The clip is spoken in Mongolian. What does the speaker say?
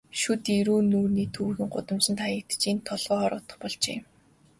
Шүд эрүү нүүрний төвийнхөн гудамжинд хаягдаж, энд толгой хоргодох болжээ.